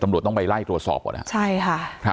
ตำรวจต้องไปไล่ตรวจสอบก่อนใช่ค่ะ